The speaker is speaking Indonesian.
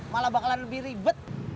malah bakalan lebih ribet